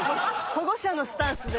保護者のスタンスで。